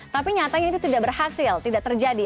tapi nyatanya itu tidak berhasil tidak terjadi